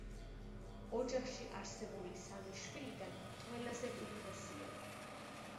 ოჯახში არსებული სამი შვილიდან ყველაზე უფროსია.